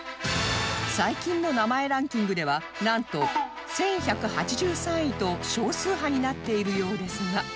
最近の名前ランキングではなんと１１８３位と少数派になっているようですが